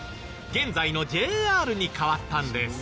現在のＪＲに変わったんです。